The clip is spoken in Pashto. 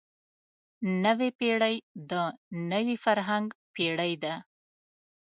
نوې پېړۍ د نوي فرهنګ پېړۍ ده.